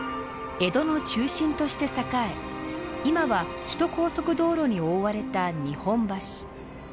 江戸の中心として栄え今は首都高速道路に覆われた日本橋。